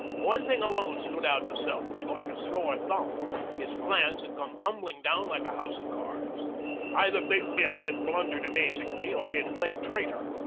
One thing alone stood out to Selfridge like a sore thumb. His plans had come tumbling down like a house of cards. Either Big Bill had blundered amazingly, or he had played traitor.